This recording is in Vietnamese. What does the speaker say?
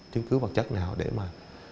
chứng cứ vật chất nào để mà